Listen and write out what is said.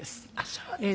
そうですか。